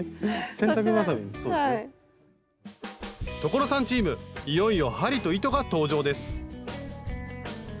所さんチームいよいよ針と糸が登場です